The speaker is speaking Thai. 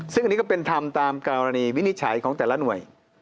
ซึ่งอันนี้ก็เป็นธรรมตามกรณีวินิจฉัยของแต่ละหน่วย